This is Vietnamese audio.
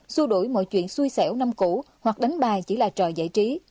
xua đuổi mọi chuyện xuôi xẻo năm cũ hoặc đánh bài chỉ là trò giải trí